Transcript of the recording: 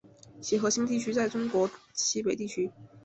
其核心地区在中国西北地区。